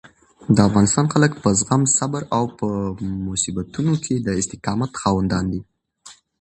د افغانستان خلک په زغم، صبر او په مصیبتونو کې د استقامت خاوندان دي.